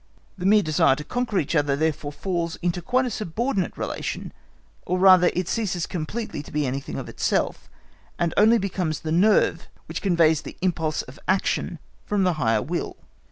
The mere desire to conquer each other therefore falls into quite a subordinate relation, or rather it ceases completely to be anything of itself, and only becomes the nerve which conveys the impulse of action from the higher will.